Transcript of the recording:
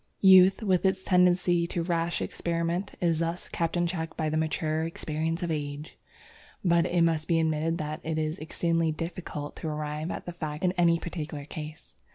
Youth, with its tendency to rash experiment, is thus kept in check by the mature experience of age. But it must be admitted that it is exceedingly difficult to arrive at the facts in any particular case.